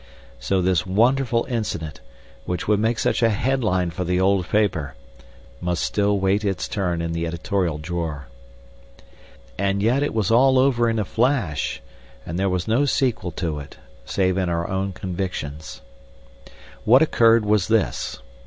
So this wonderful incident, which would make such a headline for the old paper, must still wait its turn in the editorial drawer. And yet it was all over in a flash, and there was no sequel to it, save in our own convictions. What occurred was this.